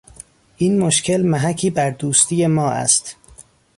این مشکل محکی بر دوستی ما است.